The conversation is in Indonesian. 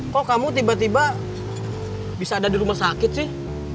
kok kamu tiba tiba bisa ada di rumah sakit sih